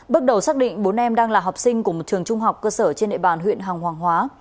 bước đầu xác định bốn em đang là học sinh của một trường trung học cơ sở trên địa bàn huyện hồng hoàng hóa